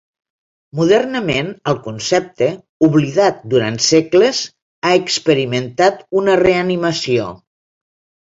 Modernament el concepte, oblidat durant segles, ha experimentat una reanimació.